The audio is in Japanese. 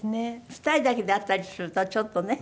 ２人だけで会ったりするとちょっとね